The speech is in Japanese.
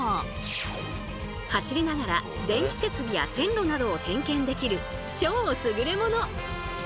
走りながら電気設備や線路などを点検できる超すぐれもの！